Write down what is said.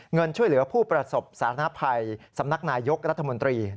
เงินช่วยเหลือผู้ประสบสารภัยสำนักนายยกรัฐมนตรี